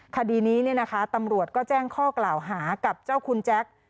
คดีนี้ตำรวจก็แจ้งข้อกล่าวหากับเจ้าคุณแจ็ค